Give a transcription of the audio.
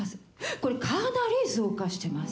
これかなり増加してます。